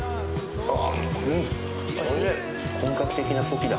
本格的なポキだ。